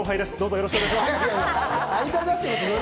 よろしくお願いします。